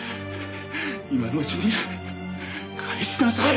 今のうちに返しなさい！